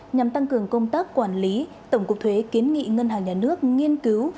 nhằm tăng cường công tác quản lý tổng cục thuế kiến nghị ngân hàng nhà nước nghiên cứu